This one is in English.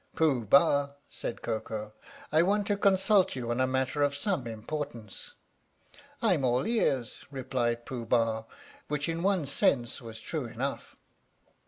"Pooh Bah," said Koko, "I want to consult you on a matter of some importance." " I am all ears," replied Pooh Bah, which in one sense was true enough.